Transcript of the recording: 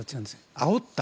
あおった。